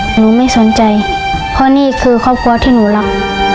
หนูไม่สนใจเพราะนี่คือครอบครัวที่หนูรัก